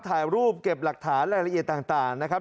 ถ่ายรูปเก็บหลักฐานรายละเอียดต่างนะครับ